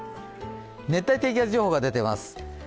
熱帯低気圧情報が出ています。